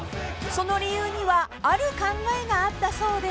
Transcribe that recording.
［その理由にはある考えがあったそうで］